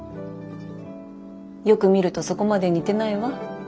よく見るとそこまで似てないわ。